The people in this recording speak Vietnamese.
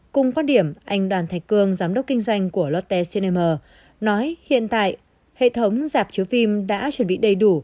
cùng quan điểm anh đoàn thạch cương giám đốc kinh doanh của lotte senemer nói hiện tại hệ thống dạp chiếu phim đã chuẩn bị đầy đủ